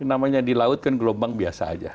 namanya di laut kan gelombang biasa aja